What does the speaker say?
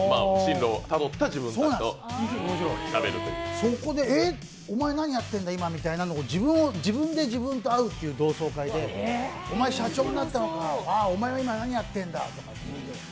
そこでえっ、お前何やってんだ、今っていう、そこで自分が自分と会うという同窓会でおまえ、社長になったのかああ、お前は今、何やってるんだって。